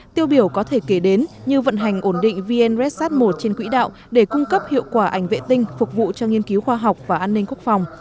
tiêu biểu có thể kể đến như vận hành ổn định vnresat một trên quỹ đạo để cung cấp hiệu quả ảnh vệ tinh phục vụ cho nghiên cứu khoa học và an ninh quốc phòng